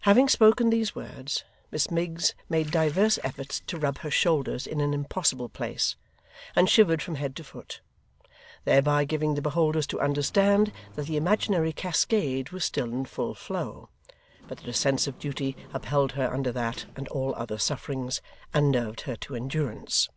Having spoken these words, Miss Miggs made divers efforts to rub her shoulders in an impossible place, and shivered from head to foot; thereby giving the beholders to understand that the imaginary cascade was still in full flow, but that a sense of duty upheld her under that and all other sufferings, and nerved her to endurance.